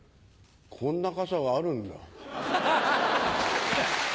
こんな傘があるんだ。